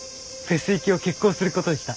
フェス行きを決行することにした。